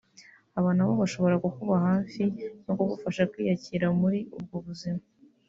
Aba na bo bashobora kukuba hafi no kugufasha kwiyakira muri ubwo buzima